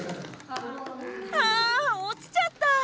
あ落ちちゃった！